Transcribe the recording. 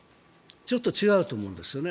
ちょっと違うと思うんですよね。